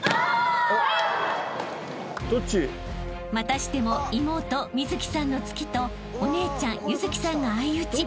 ［またしても妹美月さんの突きとお姉ちゃん優月さんが相打ち］